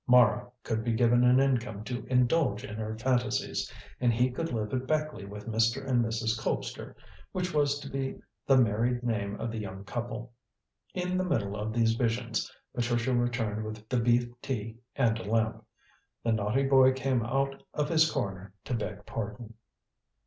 Mara could be given an income to indulge in her fantasies, and he could live at Beckleigh with Mr. and Mrs. Colpster, which was to be the married name of the young couple. In the middle of these visions, Patricia returned with the beef tea and a lamp. The naughty boy came out of his corner to beg pardon.